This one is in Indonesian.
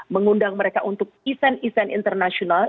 mengundang mereka untuk isen isen internasional